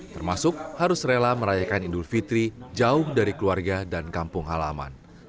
termasuk harus rela merayakan idul fitri jauh dari keluarga dan kampung halaman